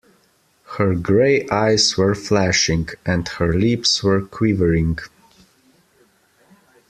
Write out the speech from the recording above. Her gray eyes were flashing, and her lips were quivering.